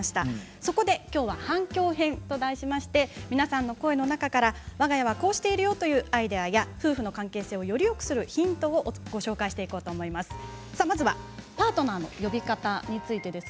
そこで、きょうは反響編と題しまして皆さんの声の中からわが家はこうしているというアイデアや夫婦の関係性をよりよくするヒントをご紹介していこうと思います。